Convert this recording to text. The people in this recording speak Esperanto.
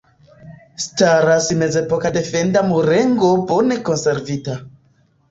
Staras mezepoka defenda murego bone konservita.